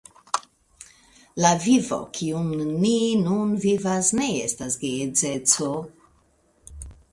La vivo kiun ni nun vivas, ne estas geedzeco.